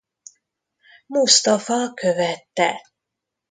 Musztafa követte.